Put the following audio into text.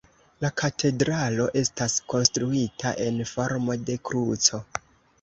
La katedralo estas konstruita en formo de kruco.